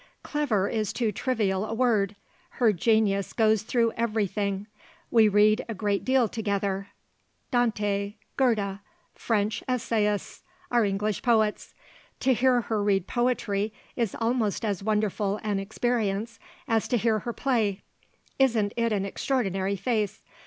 "Clever is too trivial a word. Her genius goes through everything. We read a great deal together Dante, Goethe, French essayists, our English poets. To hear her read poetry is almost as wonderful an experience as to hear her play. Isn't it an extraordinary face?